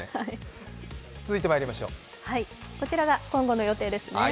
こちらが今後の予定ですね。